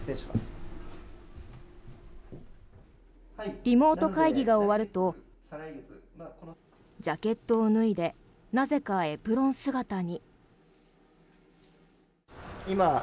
リモート会議が終わるとジャケットを脱いでなぜかエプロン姿に。